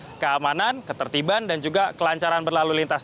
mengenai keselamatan keamanan ketertiban dan juga kelancaran berlalu lintas